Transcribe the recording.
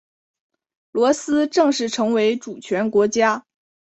罗斯正式成为主权国家。